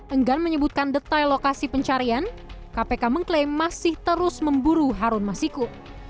enggan menyebutkan detail lokasi pencarian kpk mengklaim masih terus memburu harun masiku